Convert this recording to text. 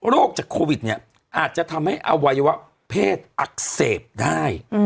จากโควิดเนี่ยอาจจะทำให้อวัยวะเพศอักเสบได้